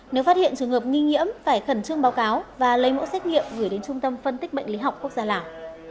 nếu phát hiện trường hợp nghi nhiễm phải khẩn trương báo cáo và lấy mẫu xét nghiệm gửi đến trung tâm phân tích bệnh lý học quốc gia lào